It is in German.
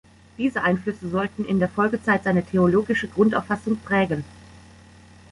Diese Einflüsse sollten in der Folgezeit seine theologische Grundauffassung prägen.